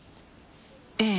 ええ。